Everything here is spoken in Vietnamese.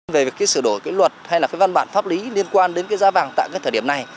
về việc sửa đổi luật hay văn bản pháp lý liên quan đến giá vàng tại thời điểm này